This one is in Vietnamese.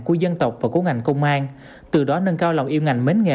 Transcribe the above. của dân tộc và của ngành công an từ đó nâng cao lòng yêu ngành mến nghề